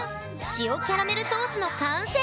「塩」キャラメルソースの完成！